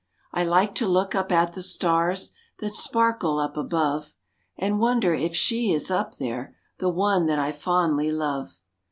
I like to look up at the stars That sparkle up above, And wonder if she is up there, The one that I fondly love.